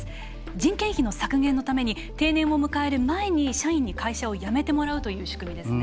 人件費の削減のために定年を迎える前に社員に会社を辞めてもらうという仕組みですね。